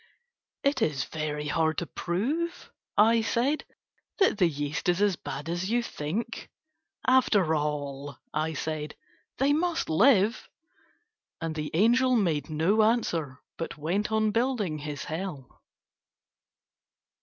"It is very hard to prove," I said, "that the yeast is as bad as you think." "After all," I said, "they must live." And the angel made no answer but went on building his hell.